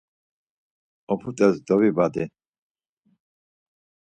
Oput̆es dovibadi.